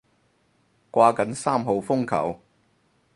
掛緊三號風球